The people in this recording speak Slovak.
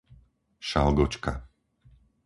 Šalgočka